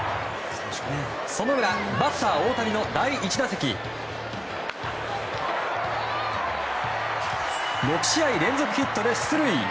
その裏、バッター大谷の第１打席６試合連続ヒットで出塁。